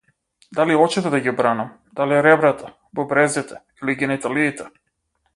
Дали очите да ги бранам, дали ребрата, бубрезите или гениталиите?